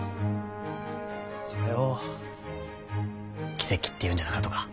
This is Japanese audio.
それを奇跡って言うんじゃなかとか。